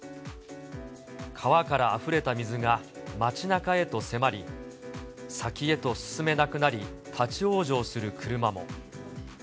川からあふれた水が街なかへと迫り、先へと進めなくなり、立往生する車も。